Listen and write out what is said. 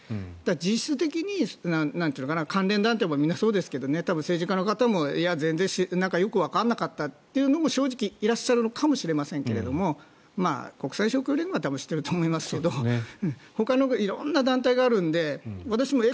実質的に関連団体もみんなそうですけど多分、政治家の方もなんかよくわからなかったという方も正直、いらっしゃるのかもしれませんけれども国際勝共連合は多分知っていると思いますがほかの色々な団体があるんで私もえ？